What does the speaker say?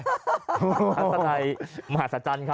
ฮัศจัยหมาศจรรย์ครับ